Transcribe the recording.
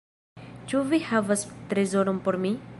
Ĉu vi havas trezoron por mi?"